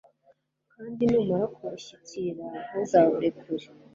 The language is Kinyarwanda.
kandi numara kubushyikira, ntuzaburekure